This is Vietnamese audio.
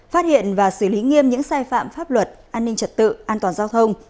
phát hiện và xử lý nghiêm những sai phạm pháp luật an ninh trật tự an toàn giao thông